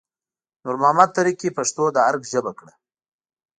نور محمد تره کي پښتو د ارګ ژبه کړه